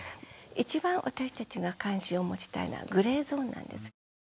一番私たちが関心を持ちたいのはグレーゾーンなんです。